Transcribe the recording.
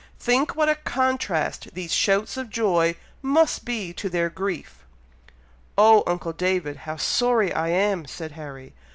Think what a contrast these shouts of joy must be to their grief." "Oh, uncle David! how sorry I am!" said Harry.